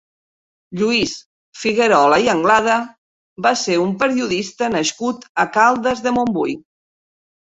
Lluís Figuerola i Anglada va ser un periodista nascut a Caldes de Montbui.